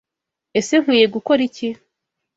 Ese Nkwiye gukora iki?